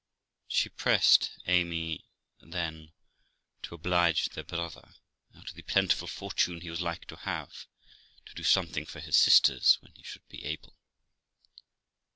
She pressed Amy, then, to oblige their brother, out of the plentiful fortune he was like to have, to do something for his sisters when he should be able.